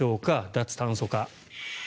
脱炭素化。